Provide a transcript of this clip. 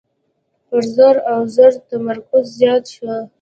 پر زور او زر تمرکز زیات شو.